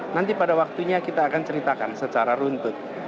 nanti pada waktunya kita akan ceritakan secara runtut